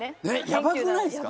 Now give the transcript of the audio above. やばくないですか？